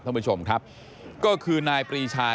ท่านผู้ชมครับก็คือนายปรีชา